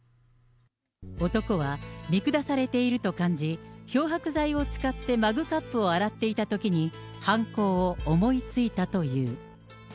男は見下されていると感じ、漂白剤を使ってマグカップを洗っていたときに、犯行を思いついたという。